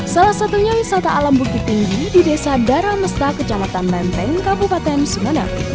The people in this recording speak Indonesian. salah satunya wisata alam bukit tinggi di desa daramesta kecamatan menteng kabupaten sumeneb